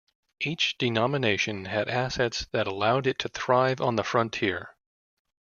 Each denomination had assets that allowed it to thrive on the frontier.